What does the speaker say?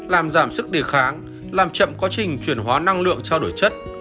làm giảm sức đề kháng làm chậm quá trình chuyển hóa năng lượng trao đổi chất